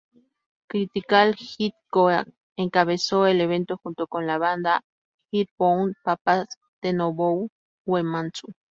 Critical Hit co-encabezó el evento junto con la banda Earthbound Papas de Nobuo Uematsu.